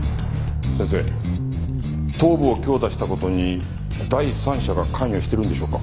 先生頭部を強打した事に第三者が関与しているんでしょうか？